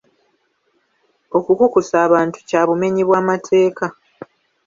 Okukukusa abantu kya bumenyi bw'amateeka.